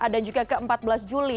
dan juga ke empat belas juli